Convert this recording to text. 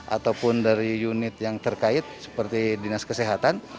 ataupun dari unit yang terkait seperti dinas kesehatan